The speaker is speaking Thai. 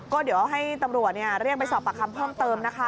ก็เดี๋ยวให้ตำรวจเรียกไปสอบปากคำเพิ่มเติมนะคะ